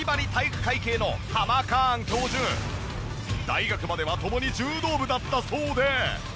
大学までは共に柔道部だったそうで。